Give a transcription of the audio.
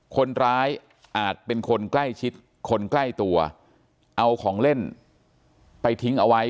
อาจเป็นคนใกล้ชิดคนใกล้ตัวเอาของเล่นไปทิ้งเอาไว้